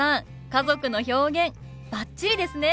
家族の表現バッチリですね！